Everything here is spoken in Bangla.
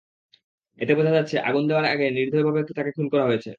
এতে বোঝা যাচ্ছে, আগুন দেওয়ার আগে নির্দয়ভাবে তাঁকে খুন করা হয়েছে।